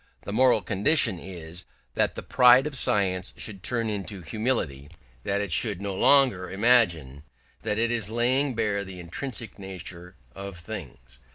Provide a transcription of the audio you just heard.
The moral condition is that the pride of science should turn into humility, that it should no longer imagine that it is laying bare the intrinsic nature of things.